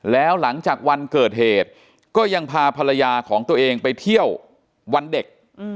แล้วหลังจากวันเกิดเหตุก็ยังพาภรรยาของตัวเองไปเที่ยววันเด็ก